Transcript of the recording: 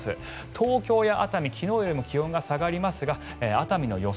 東京や熱海昨日よりも気温が下がりますが熱海の予想